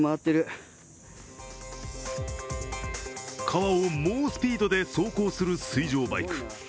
川を猛スピードで走行する水上バイク。